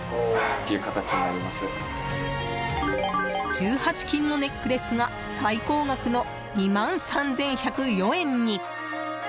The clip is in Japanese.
１８金のネックレスが最高額の２万３１０４円に！